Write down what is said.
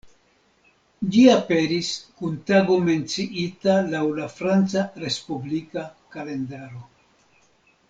Ĝi aperis kun tago menciita laŭ la Franca respublika kalendaro.